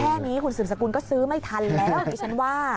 แค่นี้คุณศึนสกุลก็ซื้อไม่ทันแล้วอย่างที่ฉันว่า